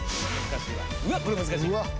・うわっこれ難しい。